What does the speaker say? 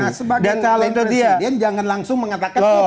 nah sebagai calon presiden jangan langsung mengatakan bahwa